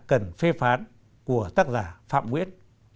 cần phê phán của tác giả phạm nguyễn